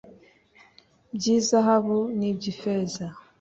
by izahabu n iby ifeza